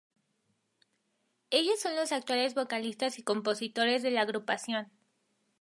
Ellos son los actuales vocalistas y compositores de la agrupación.